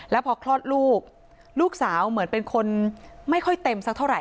แล้วพอคลอดลูกลูกสาวเหมือนเป็นคนไม่ค่อยเต็มสักเท่าไห